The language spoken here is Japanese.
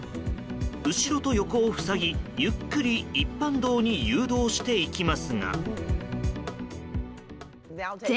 後ろと横を塞ぎ、ゆっくり一般道に誘導していきますが。